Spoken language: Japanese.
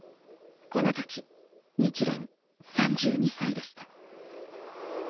この時日蓮３２歳でした。